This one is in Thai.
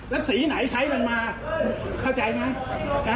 แล้วสีไหนใช้มันมาเข้าใจไหม